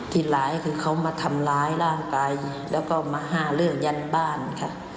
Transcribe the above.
ที่ร้ายคือเขามาทำร้ายร่างกายแล้วก็มาหาเรื่องยันบ้านค่ะ